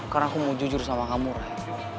karena aku mau jujur sama kamu ray